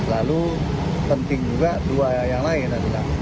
lalu penting juga dua yang lain